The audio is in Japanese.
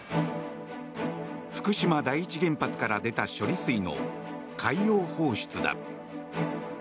福島第一原発から出た処理水の海洋放出だ。